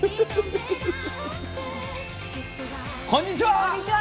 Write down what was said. こんにちは。